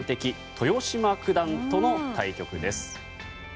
豊島九段との対局です。